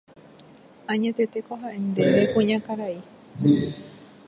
Añetetéko ha'e ndéve kuñakarai